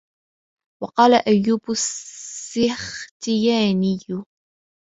وَقَالَ أَيُّوبُ السِّخْتِيَانِيُّ